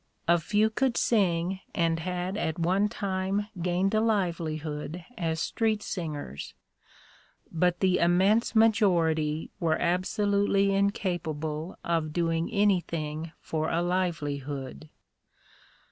A few could sing, and had at one time gained a livelihood as street singers, but the immense majority were absolutely incapable of doing any thing for a livelihood.